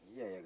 iya ya kang